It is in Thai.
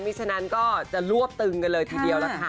ฉะนั้นก็จะรวบตึงกันเลยทีเดียวล่ะค่ะ